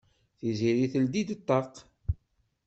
Tiziri teldi-d ṭṭaq.